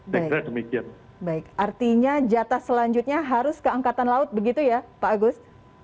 baik artinya jatah selanjutnya harus ke angkatan laut begitu ya pak agus